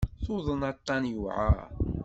Tuḍen aṭṭan yewεer.